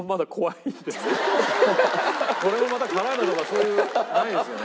これもまた辛いのとかそういうないですよね？